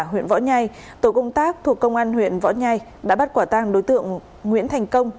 huyện võ nhai tổ công tác thuộc công an huyện võ nhai đã bắt quả tang đối tượng nguyễn thành công